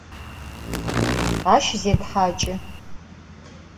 Aş zêthaç'ı.